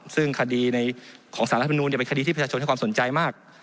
ซึ่งคดีในของสารรัฐมนูลเป็นคดีที่ประชาชนให้ความสนใจมาก